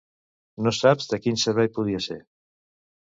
No saps de quin servei podria ser.